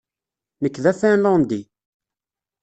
Nekk d Afinlandi